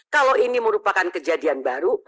kalau ini merupakan kejadian baru